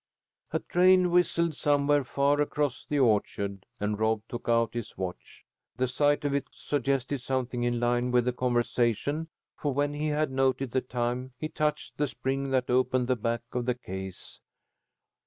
A train whistled somewhere far across the orchard, and Rob took out his watch. The sight of it suggested something in line with the conversation, for when he had noted the time, he touched the spring that opened the back of the case.